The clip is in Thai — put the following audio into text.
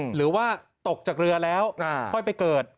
หรือว่าตกจากเรือแล้วค่อยไปเกิด